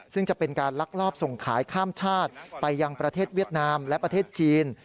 ซึ่งจะเป็นการลักลอบส่งขายข้ามชาติไปยังประเทศเวียดนามและประเทศจีน